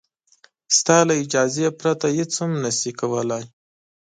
ستا له اجازې پرته هېڅ هم نه شي کولای.